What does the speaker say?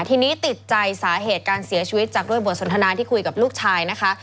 ทีนี้ติดใจสาเหตุการเสียชีวิตจากด้วยบทสนทนาที่คุยกับลูกชายนะคะ